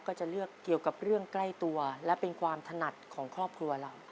ก็จะเลือกเกี่ยวกับเรื่องใกล้ตัวและเป็นความถนัดของครอบครัวเรา